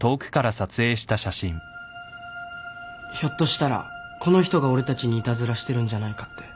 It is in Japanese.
ひょっとしたらこの人が俺たちにいたずらしてるんじゃないかって。